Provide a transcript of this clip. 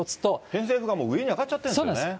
偏西風が上に上がっちゃってるんですよね。